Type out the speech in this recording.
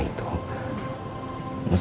kecuali apa apa